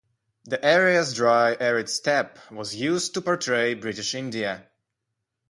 The area's dry arid steppe was used to portray British India.